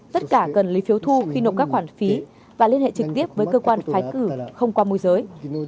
tất cả cần lấy phiếu thu khi nộp các khoản phí và liên hệ trực tiếp với cơ quan phái cử không qua môi giới